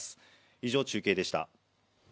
以上、中継でした。